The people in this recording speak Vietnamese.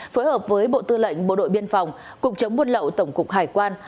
phối hợp với bộ tư lệnh bộ đội biên phòng cục chống buôn lậu tổng cục hải quan